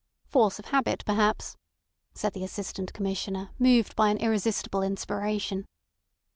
"Force of habit perhaps," said the Assistant Commissioner, moved by an irresistible inspiration.